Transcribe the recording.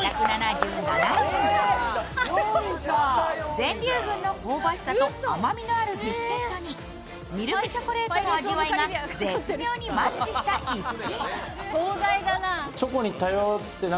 全粒粉の香ばしさと甘みのあるビスケットに、ミルクチョコレートの味わいが絶妙にマッチした逸品。